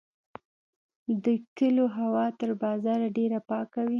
د کلیو هوا تر بازار ډیره پاکه وي.